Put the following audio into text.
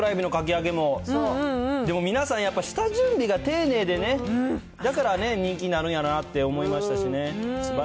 でも皆さんやっぱり下準備が丁寧でね、だからね、人気になるんやなって思いましたしね。